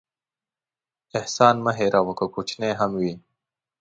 احسان مه هېروه، که کوچنی هم وي.